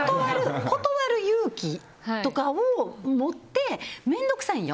断る勇気とかを持って面倒くさいんよ。